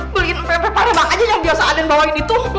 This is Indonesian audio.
beliin empe empe pada bang aja yang biasa aden bawain itu